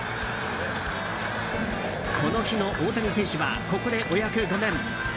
この日の大谷選手はここでお役御免。